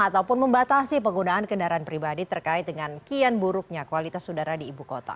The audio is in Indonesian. ataupun membatasi penggunaan kendaraan pribadi terkait dengan kian buruknya kualitas udara di ibu kota